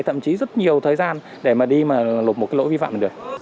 thậm chí rất nhiều thời gian để mà đi mà lột một cái lỗi vi phạm